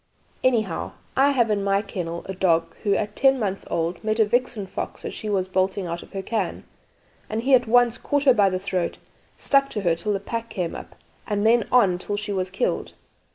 "Anyhow, I have in my kennel a dog who, at ten months old, met a vixen fox as she was bolting out of her cairn, and he at once caught her by the throat, stuck to her till the pack came up, and then on till she was killed.